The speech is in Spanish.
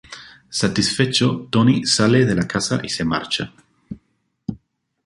Satisfecho, Tony sale de la casa y se marcha.